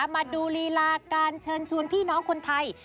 มาดูลีลาการเชิญชวนพี่น้องคนไทย